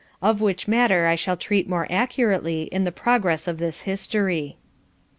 Of which matter I shall treat more accurately in the progress of this history. 2 3.